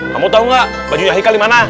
kamu tahu nggak badunya haikal di mana